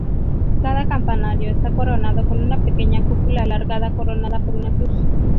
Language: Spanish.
Cada campanario está coronado con una pequeña cúpula alargada, coronada por una cruz.